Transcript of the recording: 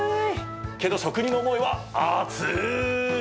けど職人の思いは熱い！